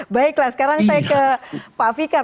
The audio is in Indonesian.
baiklah sekarang saya ke pak fikar